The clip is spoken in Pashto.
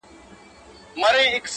دا عادت یې ټول حرم ته معما وه-